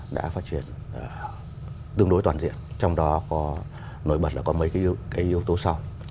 đã phát triển tương đối toàn diện trong đó có nổi bật là có mấy cái yếu tố sau